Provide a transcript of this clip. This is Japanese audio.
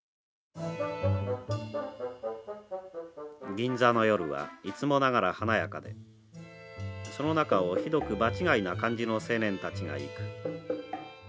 銀座の夜はいつもながら華やかでその中をひどく場違いな感じの青年たちがゆく。